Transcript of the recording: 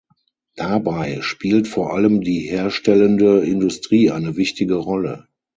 Dabei spielt vor allem die herstellende Industrie eine wichtige Rolle.